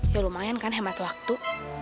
ya lumayan kan hemat waktu